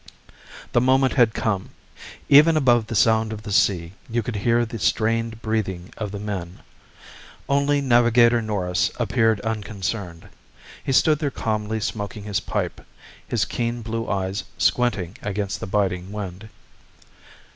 The moment had come. Even above the sound of the sea, you could hear the strained breathing of the men. Only Navigator Norris appeared unconcerned. He stood there calmly smoking his pipe, his keen blue eyes squinting against the biting wind.